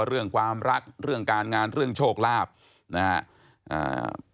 เรื่องความรักเรื่องการงานเรื่องโชคลาภนะฮะอ่า